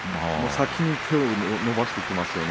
先に手を伸ばしてきます。